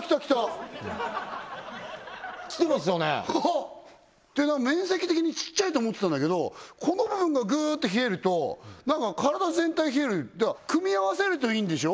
ッていうのは面積的にちっちゃいと思ってたんだけどこの部分がグッと冷えるとなんか体全体冷えるだから組み合わせるといいんでしょ？